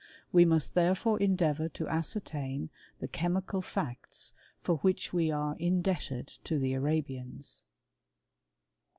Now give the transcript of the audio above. Wi must therefore endeavour to ascertain the chemi< facts for which we are indebted to the Arabians.